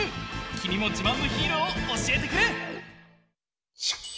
きみもじまんのヒーローをおしえてくれ！